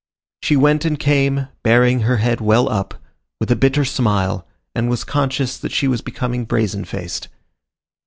She went and came, bearing her head well up, with a bitter smile, and was conscious that she was becoming brazen faced.